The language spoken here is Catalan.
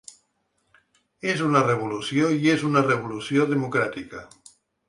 És una revolució i és una revolució democràtica.